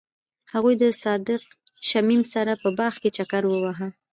هغوی د صادق شمیم سره په باغ کې چکر وواهه.